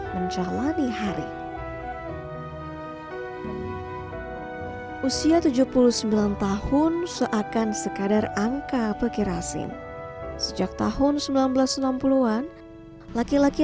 menjalani hari usia tujuh puluh sembilan tahun seakan sekadar angka pekir asin sejak tahun seribu sembilan ratus enam puluh an laki laki